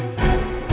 abah pasti ke rumah